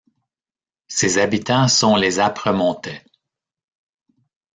Ses habitants sont les Apremontais.